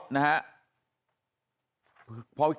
ทำให้สัมภาษณ์อะไรต่างนานไปออกรายการเยอะแยะไปหมด